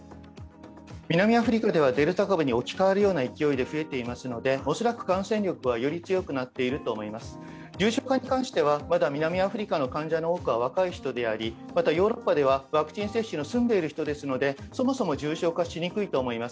南アフリカではデルタ株に置き換わるような勢いで増えていますので、おそらく感染力はより強くなっていると思います重症化に関しては、まだ南アフリカの患者の多くは若い人でありまたヨーロッパでは、ワクチン接種の済んでいる人ですので、そもそも重症化しにくいと思います。